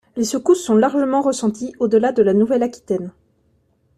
Les secousses sont largement ressenties au-delà de la Nouvelle-Aquitaine.